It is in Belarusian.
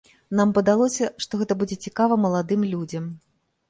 Нам падалося, што гэта будзе цікава маладым людзям.